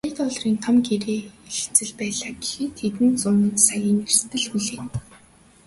Сая долларын том гэрээ хэлцэл байлаа гэхэд хэдэн зуун саяын эрсдэл хүлээнэ.